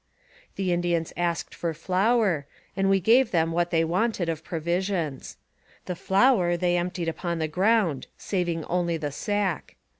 The Indians asked for flour, and we gave them what they wanted of provisions. The flour they emptied upon the ground, saving only the sack.